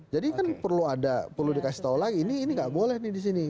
jadi kan perlu dikasih tau lagi ini gak boleh di sini